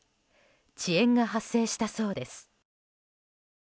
遅延が発生したそうです。